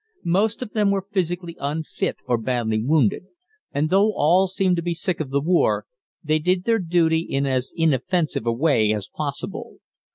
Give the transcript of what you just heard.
Most of them were physically unfit or badly wounded, and, though all seemed to be sick of the war, they did their duty in as inoffensive a way as possible.